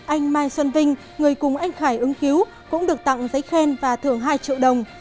anh mai xuân vinh người cùng anh khải ứng cứu cũng được tặng giấy khen và thưởng hai triệu đồng